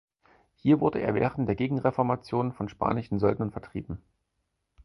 Hier wurde er während der Gegenreformation von spanischen Söldnern vertrieben.